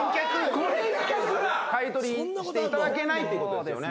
買い取りしていただけないということですよね。